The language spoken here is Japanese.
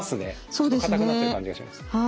ちょっと硬くなってる感じがします。